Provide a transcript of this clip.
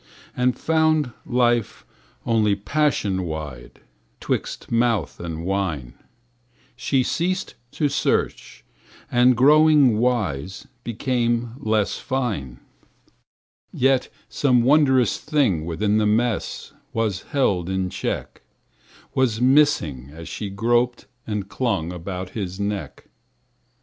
And found life only passion wide 'Twixt mouth and wine. She ceased to search, and growing wise Became less fine. Yet some wondrous thing within the mess Was held in check:— Was missing as she groped and clung About his neck.